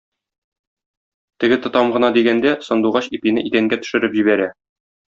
Теге тотам гына дигәндә, Сандугач ипине идәнгә төшереп җибәрә.